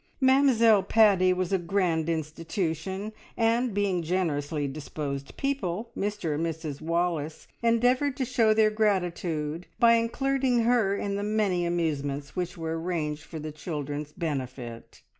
Mamzelle Paddy was a grand institution, and being generously disposed people, Mr and Mrs Wallace endeavoured to show their gratitude by including her in the many amusements which were arranged for the children's benefit.